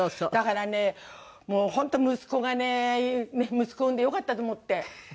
だからねもう本当息子がね息子産んでよかったと思って。